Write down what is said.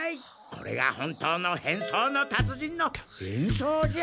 これが本当の変装のたつ人の変装じゃ！